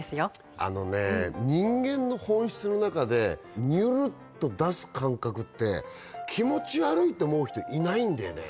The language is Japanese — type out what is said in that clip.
あのね人間の本質の中でにゅるっと出す感覚って気持ち悪いって思う人いないんだよね